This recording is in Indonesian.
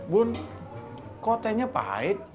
bun kok tehnya pahit